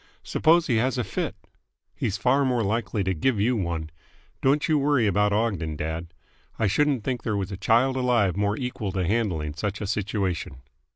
"Suppose he has a fit!" "He's far more likely to give you one. Don't you worry about Ogden, dad. I shouldn't think there was a child alive more equal to handling such a situation."